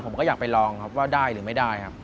ผมก็อยากไปลองครับว่าได้หรือไม่ได้ครับ